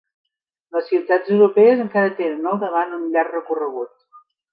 Les ciutats europees encara tenen al davant un llarg recorregut.